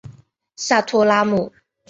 下托拉姆。